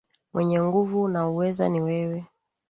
Mwenye nguvu na uweza ni wewe.